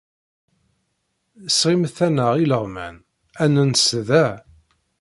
Sɣimet-aneɣ ileɣman, ad nens da.